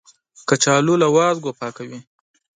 کچالو له وازګو پاکوي